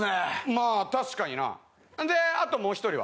まあ確かになであともう一人は？